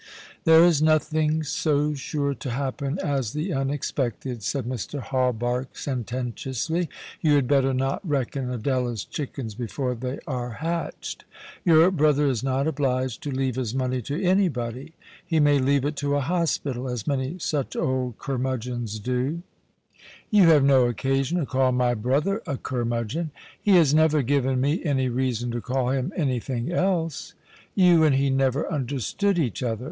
" There is nothing so sure to happen as the unexpected," said Mr. Hawberk, sententiously. " You had better not reckon Adela's chickens before they are hatched. Your brother is not obliged to leave his money to anybody. He may leave it to a hospital, as many such old cur mudgeons do." The Christmas Hirelings. 173 " You have no occasion to call my brother a cur mudgeon." " He has never given me any reason to call him any thing else." "You and he never understood each other.